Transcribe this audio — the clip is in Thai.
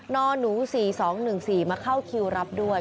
นหนู๔๒๑๔มาเข้าคิวรับด้วย